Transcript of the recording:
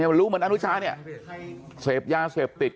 มันรู้เหมือนอนุชาเนี่ยเสพยาเสพติด